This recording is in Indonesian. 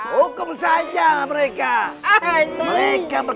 hukum saja mereka